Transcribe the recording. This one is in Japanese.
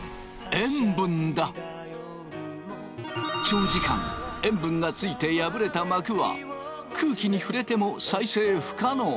長時間塩分がついて破れた膜は空気に触れても再生不可能。